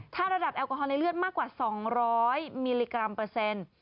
ถ้าระดับแอลกอฮอลในเลือดมากกว่า๒๐๐มิลลิกรัมเปอร์เซ็นต์